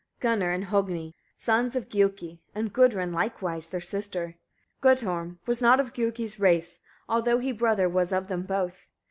27. Gunnar and Hogni, sons of Giuki; and Gudrun likewise, their sister. Guttorm; was not of Giuki's race, although he brother was of them both.